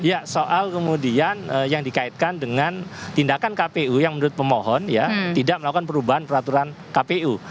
ya soal kemudian yang dikaitkan dengan tindakan kpu yang menurut pemohon ya tidak melakukan perubahan peraturan kpu